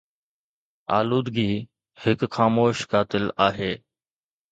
آلودگي هڪ خاموش قاتل آهي.